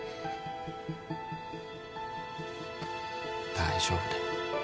大丈夫だよ。